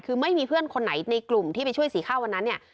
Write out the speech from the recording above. คือไม่มีเพื่อนคนไหนในกลุ่มที่ไปช่วยสีข้าววันนั้นเนี่ย